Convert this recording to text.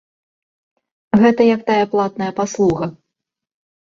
Гэта, як такая платная паслуга.